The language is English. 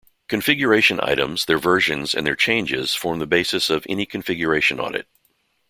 Configuration items, their versions, and their changes form the basis of any configuration audit.